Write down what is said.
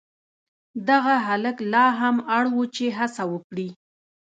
دغه هلک لا هم اړ و چې هڅه وکړي.